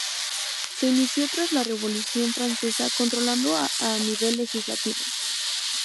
Se inició tras la Revolución Francesa controlando a nivel legislativo.